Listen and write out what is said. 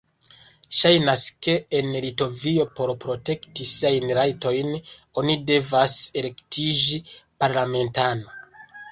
Ŝajnas, ke en Litovio, por protekti siajn rajtojn, oni devas elektiĝi parlamentano.